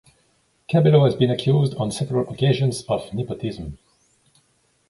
Cabello has been accused on several occasions of nepotism.